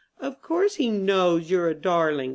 "Of course he knows you're a darling!"